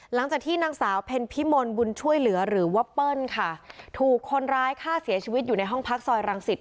หลังจากที่นางสาวเพ็ญพิมลบุญช่วยเหลือหรือว่าเปิ้ลค่ะถูกคนร้ายฆ่าเสียชีวิตอยู่ในห้องพักซอยรังสิต